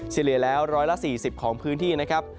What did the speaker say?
เสียเหลือแล้วร้อยละ๔๐ของพื้นที่นะครับ